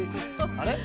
あれ？